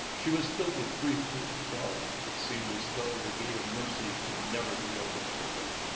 She was filled with grief for herself; it seemed as though the gate of mercy could never be opened to her.